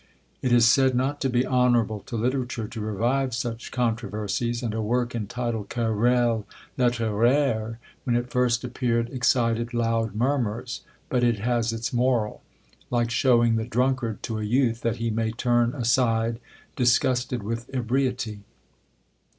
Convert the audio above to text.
It is said not to be honourable to literature to revive such controversies; and a work entitled "Querelles Littéraires," when it first appeared, excited loud murmurs; but it has its moral: like showing the drunkard to a youth, that he may turn aside disgusted with ebriety.